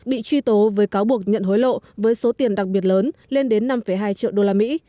bị truy tố với cáo buộc nhận hối lộ với số tiền đặc biệt lớn lên đến năm hai triệu đô la mỹ